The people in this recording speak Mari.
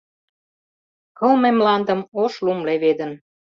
Кылме мландым ош лум леведын.